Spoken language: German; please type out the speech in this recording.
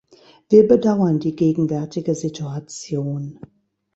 Wir bedauern die gegenwärtige Situation.